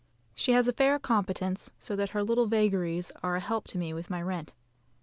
She has a fair competence, so that her little vagaries are a help to me with my rent.